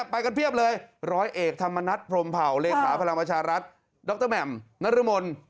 ไปกันเพียบเลยร้อยเอกธรรมนัฐพรมเผาเลขาพลังประชารัฐดรแหม่มนรมน